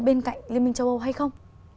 bên cạnh liên minh châu âu hay không